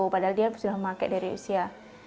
padahal dia sudah memakai dari usia lima belas